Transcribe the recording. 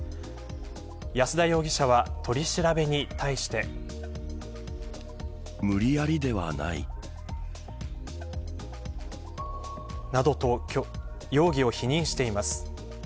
安田容疑者は取り調べに対して。などと容疑を否認しています。